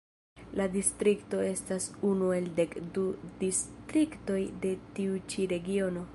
La distrikto estas unu el dek du distriktoj de tiu ĉi Regiono.